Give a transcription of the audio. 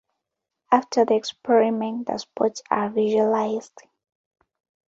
After the experiment, the spots are visualized.